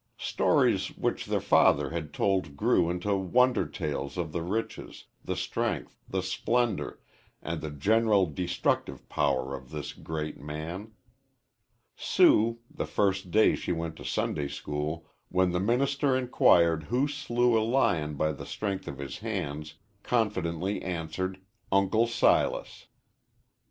Stories which their father had told grew into wonder tales of the riches, the strength, the splendor, and the general destructive power of this great man. Sue, the first day she went to Sunday school, when the minister inquired who slew a lion by the strength of his hands, confidently answered, "Uncle Silas."